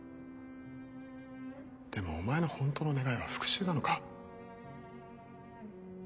でもお前の本当の願いは復讐なのか？